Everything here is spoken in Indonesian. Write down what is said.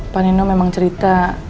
pak nino memang cerita